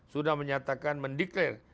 sudah menyatakan mendeclare